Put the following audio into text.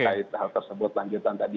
terkait hal tersebut lanjutan tadi